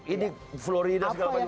ini florida segala macam